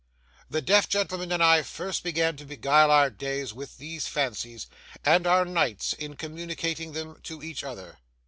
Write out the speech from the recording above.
The deaf gentleman and I first began to beguile our days with these fancies, and our nights in communicating them to each other.